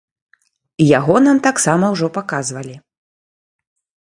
Яго нам таксама ўжо паказвалі.